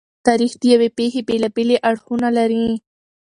تاریخ د یوې پېښې بېلابېلې اړخونه لري.